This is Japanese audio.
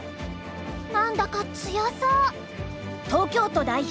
何だか強そう。